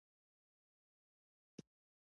• د کارخانې چلولو لپاره برېښنا اړینه ده.